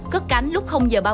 cất cánh lúc h ba mươi